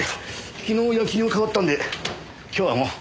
昨日夜勤を代わったので今日はもう。